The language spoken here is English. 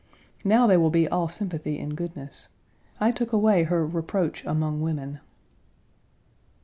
Now, they will be all sympathy and goodness. I took away her "reproach among women."